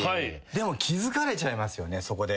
でも気付かれちゃいますよねそこで。